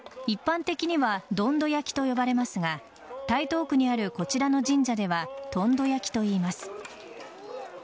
一般的にはどんど焼きと呼ばれますが台東区にあるこちらの神社ではとんど焼きといいます。